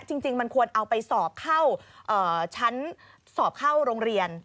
จริงมันควรเอาไปสอบเข้าชั้นสอบเข้าโรงเรียน